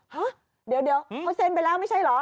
ห๊ะเดี๋ยวเดี๋ยวเค้าเซ็นไปแล้วไม่ใช่เหรอ